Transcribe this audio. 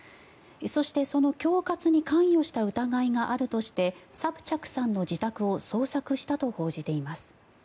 そして、その恐喝に関与した疑いがあるとしてサプチャクさんの自宅を捜索したと報じています。